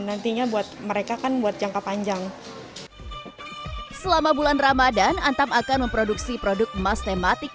nantinya buat mereka kan buat jangka panjang selama bulan ramadhan antam akan memproduksi